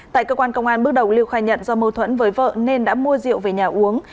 tại cơ quan công an bước đầu lưu khai nhận do mâu thuẫn với vợ nên đã mua rượu về nhà uống